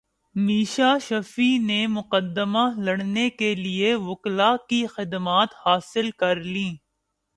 میشا شفیع نے مقدمہ لڑنے کیلئے وکلاء کی خدمات حاصل کرلیں